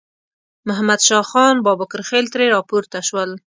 محمد شاه خان بابکرخېل ترې راپورته شول.